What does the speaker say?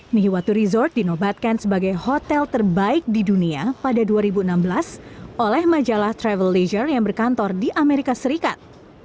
nihiwatu resort dinobatkan sebagai hotel terbaik di dunia pada dua ribu enam belas oleh majalah travel leisure yang berkantor di amerika serikat